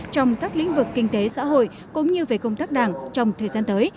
trong các lĩnh vực kinh tế xã hội cũng như về công tác đảng trong thời gian tới